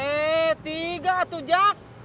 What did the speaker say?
eh tiga tujak